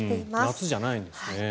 夏じゃないんですね。